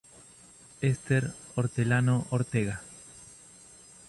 Esther Hortelano Ortega.